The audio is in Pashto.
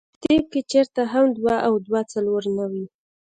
پۀ طب کښې چرته هم دوه او دوه څلور نۀ وي -